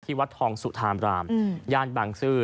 วัดทองสุธามรามย่านบางซื่อ